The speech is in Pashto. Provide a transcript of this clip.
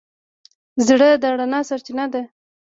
زړه د رڼا سرچینه ده.